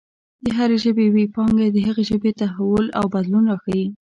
د هرې ژبې ویي پانګه د هغې ژبې تحول او بدلون راښايي.